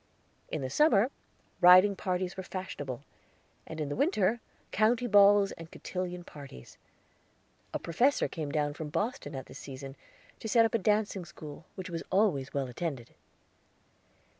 In the summer riding parties were fashionable, and in the winter county balls and cotillion parties; a professor came down from Boston at this season to set up a dancing school, which was always well attended.